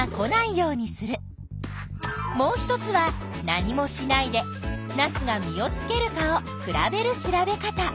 もう１つは何もしないでナスが実をつけるかを比べる調べ方。